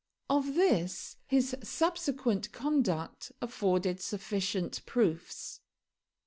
Of this his subsequent conduct afforded sufficient proofs.